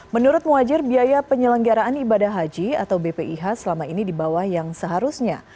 menurut muwajir biaya penyelenggaraan ibadah haji atau bpih selama ini dibawah yang seharusnya